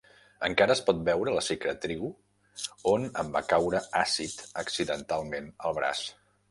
Encara es pot veure la cicatriu on em va caure àcid accidentalment al braç.